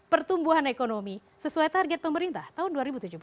pertumbuhan ekonomi sesuai target pemerintah tahun dua ribu tujuh belas